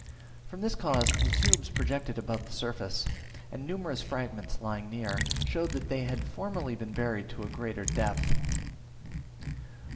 From this cause the tubes projected above the surface, and numerous fragments lying near, showed that they had formerly been buried to a greater depth.